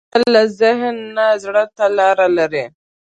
کتابچه له ذهن نه زړه ته لاره لري